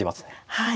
はい。